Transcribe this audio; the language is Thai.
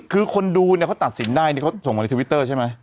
คือคนดูเนี่ยเขาตัดสินได้นี่เขาส่งมาในทวิตเตอร์ใช่ไหม